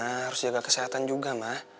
harus jaga kesehatan juga mah